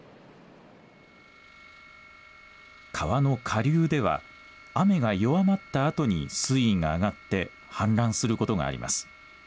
川の下流では雨が弱まったあとに水位が上がって氾濫することがあります。